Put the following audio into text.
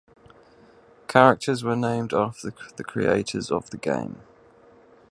Characters were named after the creators of the game.